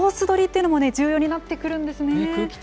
取りっていうのも重要になってくるんですね。